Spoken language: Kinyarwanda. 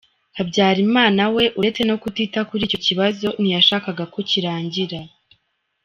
Habyarimana we, uretse no kutita kuri icyo kibazo ntiyashakaga ko kirangira.